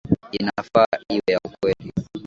Inafaa iwe ya ukweli.